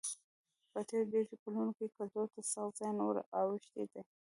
په تېرو دېرشو کلونو کې کلتور ته سخت زیان ور اوښتی دی.